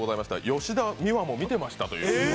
吉田美和も見てましたと。